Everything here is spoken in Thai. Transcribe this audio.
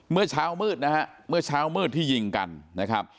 เมื่อเช้ามืดนะฮะเมื่อเช้ามืดที่ยิงกันนะครับ